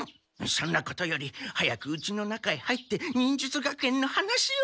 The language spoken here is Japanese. そんなことより早くうちの中へ入って忍術学園の話を！